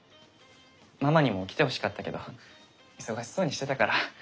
ママにも来てほしかったけど忙しそうにしてたから。